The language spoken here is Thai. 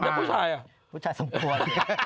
แล้วผู้ชายอ่ะผู้ชายสมควร